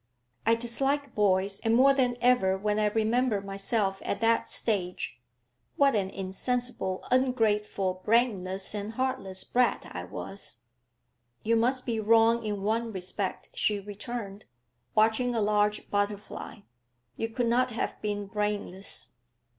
I dislike boys, and more than ever when I remember myself at that stage. What an insensible, ungrateful, brainless, and heartless brat I was!' 'You must be wrong in one respect,' she returned, watching a large butterfly. 'You could not have been brainless.'